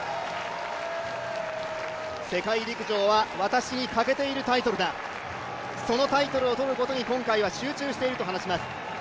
世界陸上は私に欠けているタイトルだ、そのタイトルを取ることに今回は集中していると話しています。